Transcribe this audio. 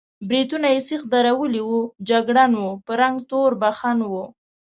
برېتونه یې سېخ درولي وو، جګړن و، په رنګ تور بخون و.